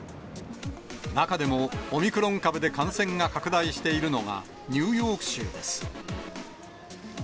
中でもオミクロン株で感染が拡大しているのが、ニューヨーク州です。